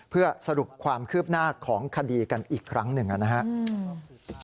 เพื่อสรุปความคืบหน้าของคดีกันอีกครั้งหนึ่งนะครับ